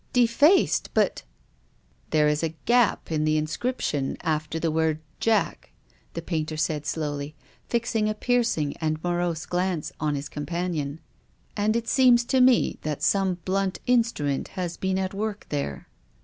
" Defaced ! But—" " There is a gap in the inscription after the word * Jack,' " the painter said slowly, fixing a piercing and morose glance on his companion. *' And it seems to me that some blunt instrument has been at work there."